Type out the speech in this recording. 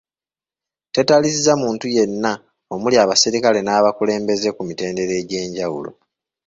Tetalizza muntu yenna omuli abaserikale n'abakulembeze ku mitendera egy'enjawulo.